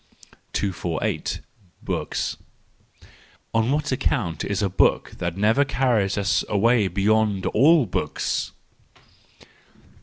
248. Books .—Of what account is a book that never carries us away beyond all books